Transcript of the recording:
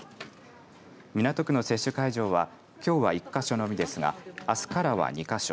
港区の接種会場はきょうは１か所のみですがあすからは２か所